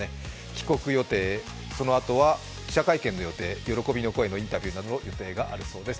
帰国予定、そのあとは記者会見の予定喜びの声などの予定があるそうです。